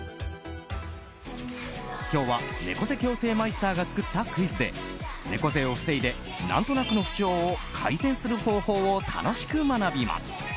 今日は猫背矯正マイスターが作ったクイズで猫背を防いで何となくの不調を改善する方法を楽しく学びます。